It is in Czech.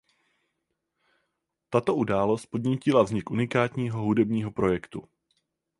Tato událost podnítila vznik unikátního hudebního projektu.